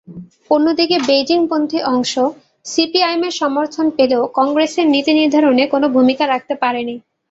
অন্যদিকে বেইজিংপন্থী অংশ সিপিআইএমের সমর্থন পেলেও কংগ্রেসের নীতিনির্ধারণে কোনো ভূমিকা রাখতে পারেনি।